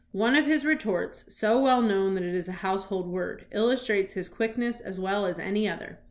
One of his retorts, so well known that it is a household word, illustrates his quickness as well as any other.